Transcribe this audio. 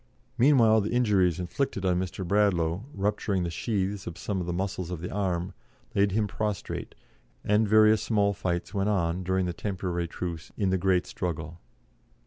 Meanwhile the injuries inflicted on Mr. Bradlaugh, rupturing the sheaths of some of the muscles of the arm, laid him prostrate, and various small fights went on during the temporary truce in the great struggle.